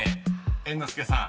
猿之助さん］